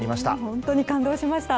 本当に感動しました。